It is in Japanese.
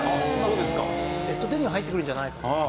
まあベスト１０には入ってくるんじゃないかと。